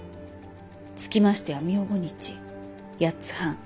つきましては明後日八ツ半大